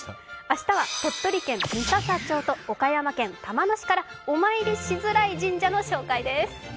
明日は鳥取県三朝町と岡山県玉野市からお参りしづらい神社の紹介です。